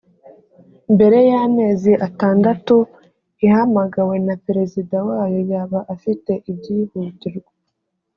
mbere y’amezi atandatu ihamagawe na perezida wayo yaba afite ibyihutirwa